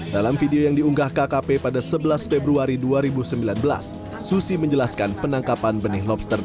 dalam video yang diunggah kkp pada sebelas februari dua ribu sembilan belas susi menjelaskan penangkapan benih lobster